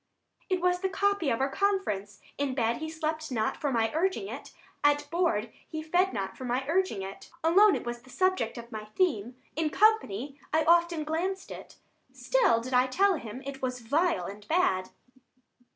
Adr. It was the copy of our conference: In bed, he slept not for my urging it; At board, he fed not for my urging it; Alone, it was the subject of my theme; 65 In company I often glanced it; Still did I tell him it was vile and bad.